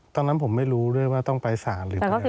ตอนนั้นผมไม่รู้ด้วยว่าต้องไปสารหรือไปไหน